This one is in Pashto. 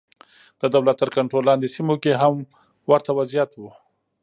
د دولت تر کنټرول لاندې سیمو کې هم ورته وضعیت و.